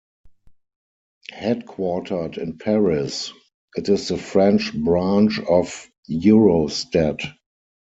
Headquartered in Paris, it is the French branch of Eurostat.